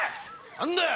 何だよ？